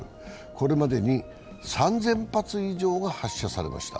これまでに３０００発以上が発射されました。